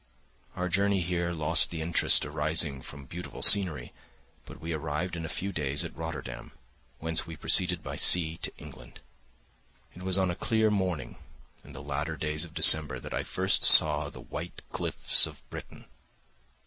Our journey here lost the interest arising from beautiful scenery, but we arrived in a few days at Rotterdam, whence we proceeded by sea to England. It was on a clear morning, in the latter days of December, that I first saw the white cliffs of Britain.